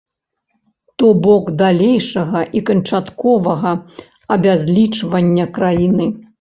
То бок далейшага і канчатковага абязлічвання краіны.